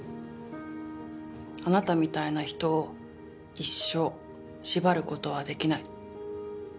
あなたみたいな人を一生縛る事はできない。